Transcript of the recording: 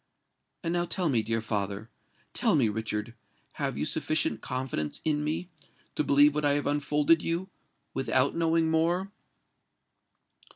And now tell me, dear father—tell me, Richard—have you sufficient confidence in me, to believe what I have unfolded you, without knowing more?"